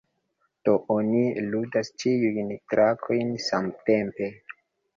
Do oni ludas ĉiujn trakojn samtempe.